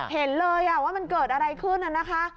เห็นเลยว่ามันเกิดอะไรขึ้นน่ะนะคะ